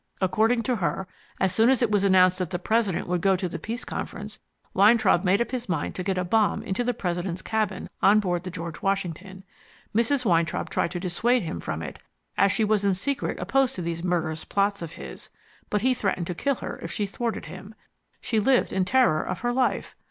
According to her, as soon as it was announced that the President would go to the Peace Conference, Weintraub made up his mind to get a bomb into the President's cabin on board the George Washington. Mrs. Weintraub tried to dissuade him from it, as she was in secret opposed to these murderous plots of his, but he threatened to kill her if she thwarted him. She lived in terror of her life.